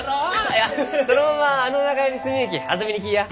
いやそのままあの長屋に住みゆうき遊びに来いや。